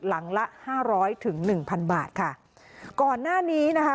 หลังละห้าร้อยถึงหนึ่งพันบาทค่ะก่อนหน้านี้นะคะ